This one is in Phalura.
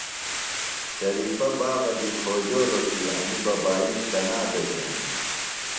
شریفہ بابہ دی کھوجولوۡ کی انیۡ ببائیم کنا بھےۡ بھینِم؟